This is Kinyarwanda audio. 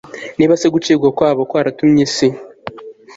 Niba se gucibwa kwabo g kwaratumye isi